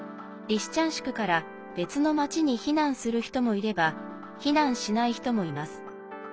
リシチャンシクから別の町に避難する人もいれば避難しない人もいます。